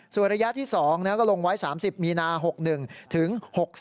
ส่วนระยะที่๒ก็ลงไว้๓๐มีนา๖๑ถึง๖๔